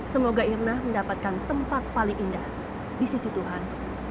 semoga irna mendapatkan tempat paling indah di sisi tuhan